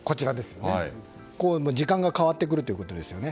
時間が変わってくるということですよね。